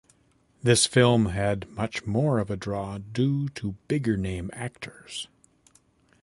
This film had much more of a draw due to bigger-name actors.